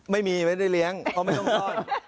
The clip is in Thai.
ไม่มีไม่ได้เลี้ยงเขาไม่ต้องซ่อน